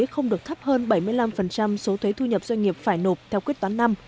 không được thấp hơn bảy mươi năm số thuế thu nhập doanh nghiệp phải nộp theo quyết toán năm